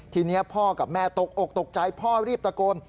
ทีนี้พ่อกับแม่ตกอกตกใจพ่อรีบตะโกน